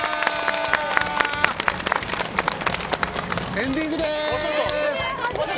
エンディングです！